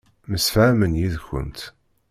Msefhamen yid-kent.